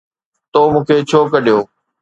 تو مون کي ڇو ڪڍيو؟